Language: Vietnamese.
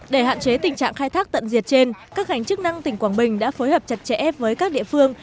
để hạn chế tình trạng khai thác tận diệt trên các ngành chức năng tỉnh quảng bình đã phối hợp chặt chẽ với các địa phương